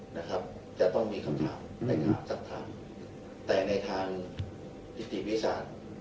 นะครับจะต้องมีคำถามแต่คำสักทางแต่ในทางอิติวิชาติ